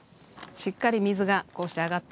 しっかり水がこうして上がってます。